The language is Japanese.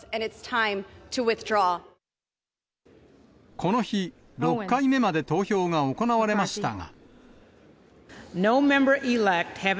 この日、６回目まで投票が行われましたが。